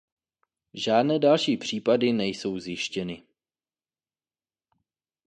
Žádné další případy nejsou zjištěny.